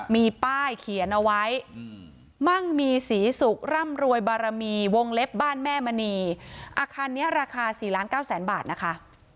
มีป้ายเขียนเอาไว้มั่งมีศรีสุขร่ำรวยบารมีวงเล็บบ้านแม่มณีอาคารนี้ราคา๔ล้านเก้าแสนบาทนะคะ